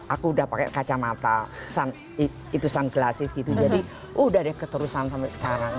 aku udah pake kacamata itu sunglasses gitu jadi udah deh keterusan sampe sekarang